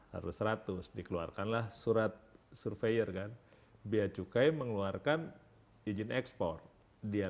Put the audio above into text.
harus seratus dikeluarkanlah surat surveyor kan biaya cukai mengeluarkan izin ekspor dia